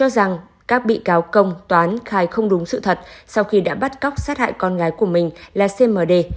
cho rằng các bị cáo công toán khai không đúng sự thật sau khi đã bắt cóc sát hại con gái của mình là cmd